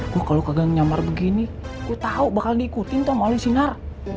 gue kalau kagak nyamar begini gue tau bakal diikuti sama alis sinar